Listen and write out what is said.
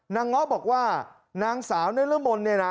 นางเงาะบอกว่านางสาวในเรื่องบนเนี่ยนะ